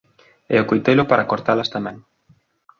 E o coitelo para cortalas tamén.